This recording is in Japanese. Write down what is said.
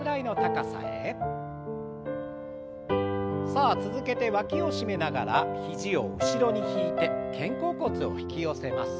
さあ続けてわきを締めながら肘を後ろに引いて肩甲骨を引き寄せます。